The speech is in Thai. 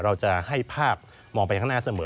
เราจะให้ภาพมองไปข้างหน้าเสมอ